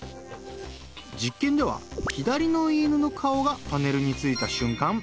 実験では左の犬の顔がパネルについた瞬間